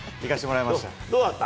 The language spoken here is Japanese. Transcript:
どうだった？